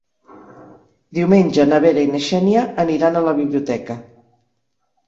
Diumenge na Vera i na Xènia aniran a la biblioteca.